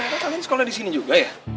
kok ternyata kalian sekolah di sini juga ya